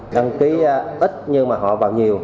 đăng ký ít nhưng họ vào nhiều